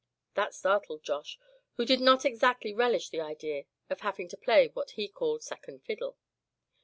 That started Josh, who did not exactly relish the idea of having to play what he called "second fiddle."